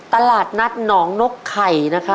ตลาดนัดหนองนกไข่นะครับ